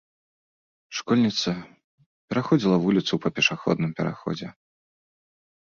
Школьніца пераходзіла вуліцу па пешаходным пераходзе.